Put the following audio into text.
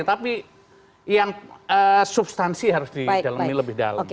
tapi yang substansi harus didalami lebih dalam